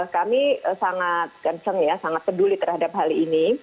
kami sangat kencern ya sangat peduli terhadap hal ini